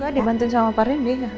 gue dibantuin sama pak rindy ya